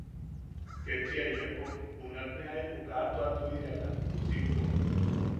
Ketchia inepo junakne jaibu ka tua tuiriakan pusimpo.